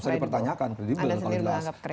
bisa dipertanyakan kredibel kalau jelas